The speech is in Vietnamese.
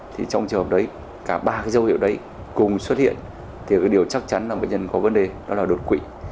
thì trong trường hợp đấy cả ba dấu hiệu đấy cùng xuất hiện thì điều chắc chắn là một nhân có vấn đề đó là đột quỵ